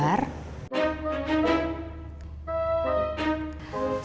karena kehamilannya kembar